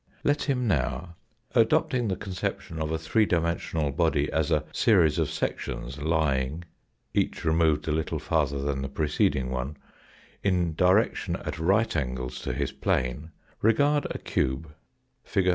Let him now, adopting the conception of a three dimensional body as a series of sections lying, each removed a little farther than the preceding one, in direction at right angles to his plane, regard a cube, fig.